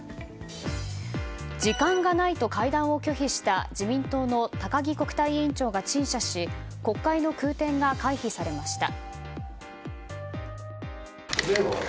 時間がないと会談を拒否した自民党の高木国対委員長が陳謝し国会の空転が回避されました。